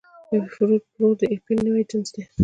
اېرفوډ پرو د اېپل نوی جنس دی